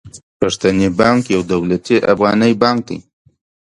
پښتني بانک يو دولتي افغاني بانک دي.